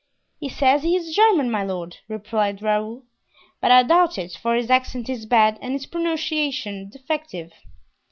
"He says he is German, my lord," replied Raoul; "but I doubt it, for his accent is bad and his pronunciation defective."